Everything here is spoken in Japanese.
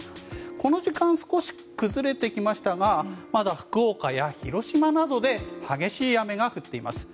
この時間、少し崩れてきましたがまだ福岡や広島などで激しい雨が降っています。